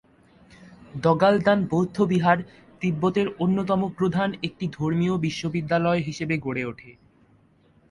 দ্গা'-ল্দান বৌদ্ধবিহার তিব্বতের অন্যতম প্রধান একটি ধর্মীয় বিশ্বপবিদ্যালয় হিসেবে গড়ে ওঠে।